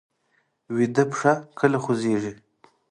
ویده پښه کله خوځېږي